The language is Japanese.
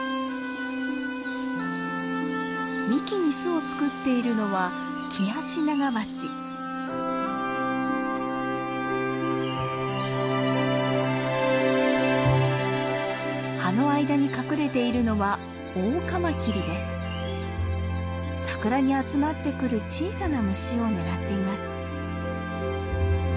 幹に巣を作っているのは葉の間に隠れているのはサクラに集まってくる小さな虫を狙っています。